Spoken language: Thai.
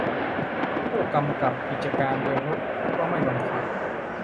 ผู้กำกับกิจการเดินรถก็ไม่บังคับ